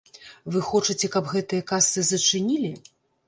Вы хочаце, каб гэтыя касы зачынілі?